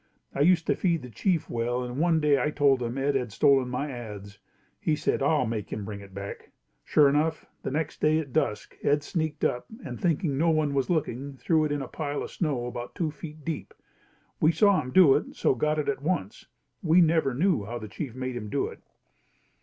I used to feed the chief well and one day I told him Ed had stolen my adz. He said, "I make him bring it back." Sure enough, the next day at dusk Ed sneaked up and thinking no one was looking, threw it in a pile of snow about two feet deep. We saw him do it, so got it at once. We never knew how the chief made him do it.